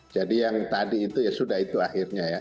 jadi yang tadi itu ya sudah itu akhirnya ya